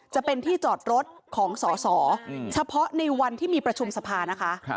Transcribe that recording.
จะเป็นที่จอดรถของสอสอเฉพาะในวันที่มีประชุมสภานะคะ